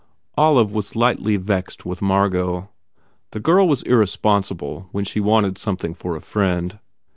Olive was lightly vexed with Margot. The girl was irresponsible when she wanted something for a friend.